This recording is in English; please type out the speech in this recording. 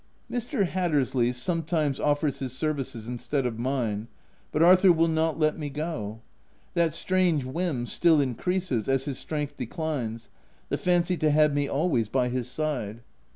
Mr. Hatter sley sometimes offers his services instead of mine, but Arthur will not let me go : that strange whim still increases, as his strength declines — the fancy to have me always by his side.